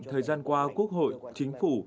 thời gian qua quốc hội chính phủ